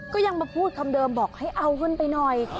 ก็ยังมาพูดคำเดิมบอกให้เอาขึ้นไปหน่อย